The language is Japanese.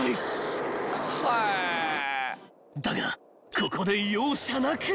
［だがここで容赦なく］